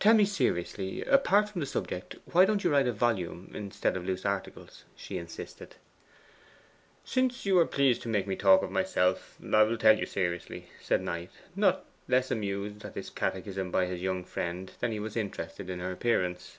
'Tell me seriously apart from the subject why don't you write a volume instead of loose articles?' she insisted. 'Since you are pleased to make me talk of myself, I will tell you seriously,' said Knight, not less amused at this catechism by his young friend than he was interested in her appearance.